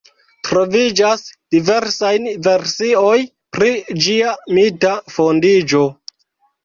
Troviĝas diversaj versioj pri ĝia mita fondiĝo.